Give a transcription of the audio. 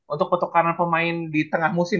untuk pertukaran pemain di tengah musim